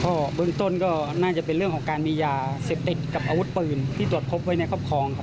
ก็เบื้องต้นก็น่าจะเป็นเรื่องของการมียาเสพติดกับอาวุธปืนที่ตรวจพบไว้ในครอบครองครับ